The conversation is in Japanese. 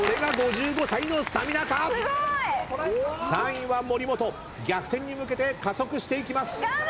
３位は森本逆転に向けて加速していきます。